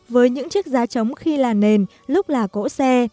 với những chiếc giá trống khi là nền lúc là cỗ xe